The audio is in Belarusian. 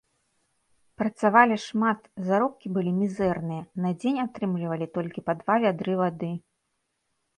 Працавалі шмат, заробкі былі мізэрныя, на дзень атрымлівалі толькі па два вядры вады.